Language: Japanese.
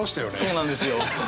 そうなんですよ。